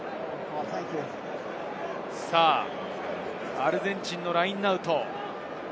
アルゼンチンのラインアウト。